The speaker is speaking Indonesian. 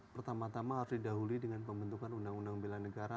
pertama tama harus didahului dengan pembentukan undang undang bela negara